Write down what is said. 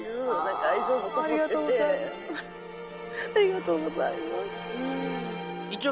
ありがとうございます